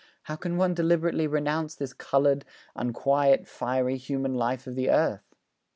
how can one deliberately renounce this coloured, unquiet, fiery human life of the earth?'